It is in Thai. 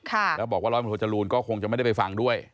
แล้วบอกว่าร้อยตำรวจโทจรูนก็คงจะไม่ได้ไปฟังด้วย